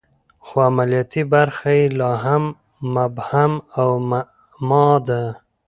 خو عملیاتي برخه یې لا هم مبهم او معما ده